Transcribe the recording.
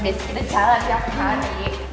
kita jalan lagi